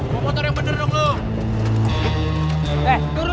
mau motor yang bener dong